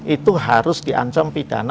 itu harus diancam pidana